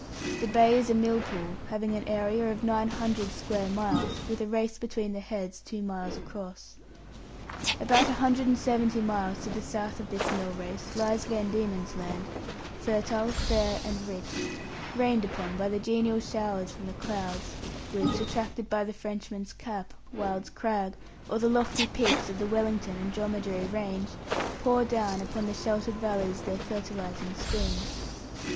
The Bay is a millpool, having an area of nine hundred square miles, with a race between the heads two miles across. About a hundred and seventy miles to the south of this mill race lies Van Diemen's Land, fertile, fair, and rich, rained upon by the genial showers from the clouds which, attracted by the Frenchman's Cap, Wyld's Crag, or the lofty peaks of the Wellington and Dromedary range, pour down upon the sheltered valleys their fertilizing streams.